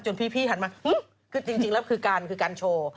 พี่หันมาคือจริงแล้วคือการคือการโชว์